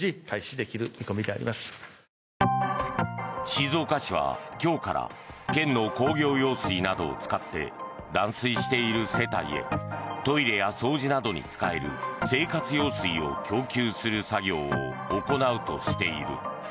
静岡市は今日から県の工業用水などを使って断水している世帯へトイレや掃除などに使える生活用水を供給する作業を行うとしている。